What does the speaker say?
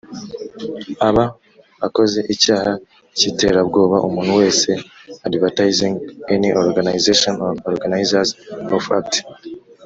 Aba akoze icyaha cy iterabwoba umuntu wese advertising an organization or organizers of acts